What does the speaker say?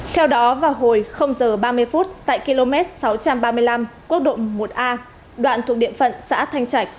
theo đó vào hồi h ba mươi phút tại km sáu trăm ba mươi năm quốc lộ một a đoạn thuộc địa phận xã thanh trạch